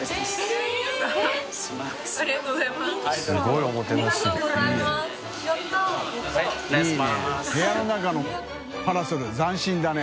兇い泙后いい部屋の中のパラソル斬新だね。